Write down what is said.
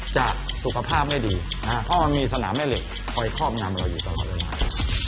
จะสุขภาพไม่ดีนะฮะเพราะมันมีสนามแม่เหล็กคอยครอบนำเราอยู่ตลอดเลยนะครับ